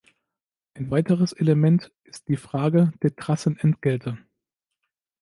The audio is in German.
Ein weiteres Element ist die Frage der Trassenentgelte.